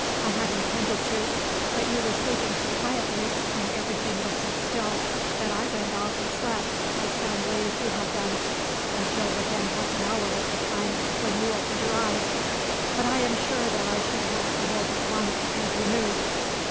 "I had intended to, but you were sleeping so quietly, and everything was so still, that I went off and slept, as soundly as you have done, until within half an hour of the time when you opened your eyes; but I am sure that I should have awoke at once, had you moved."